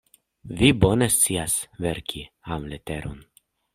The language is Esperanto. Vi bone scias verki amleteron.